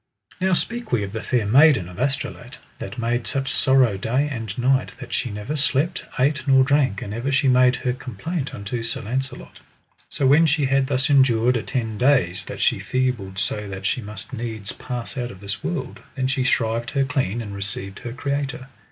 Now speak we of the Fair Maiden of Astolat that made such sorrow day and night that she never slept, ate, nor drank, and ever she made her complaint unto Sir Launcelot. So when she had thus endured a ten days, that she feebled so that she must needs pass out of this world, then she shrived her clean, and received her Creator.